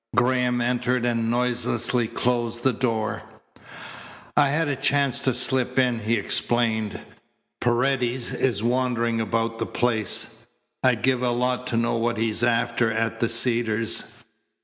Graham entered and noiselessly closed the door. "I had a chance to slip in," he explained. "Paredes is wandering about the place. I'd give a lot to know what he's after at the Cedars.